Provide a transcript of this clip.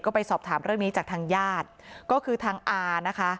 ก็ไปสอบถามเรื่องนี้จากทางญาติก็คือทางอานะคะ